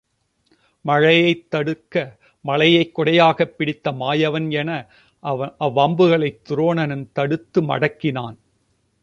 மழையைத் தடுக்க மலையைக் குடை யாகப் பிடித்த மாயவன் என அவ்வம்புகளைத் துரோ ணன் தடுத்து மடக்கினான்.